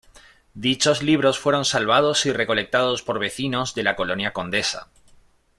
Dichos libros fueron salvados y recolectados por vecinos de la colonia Condesa.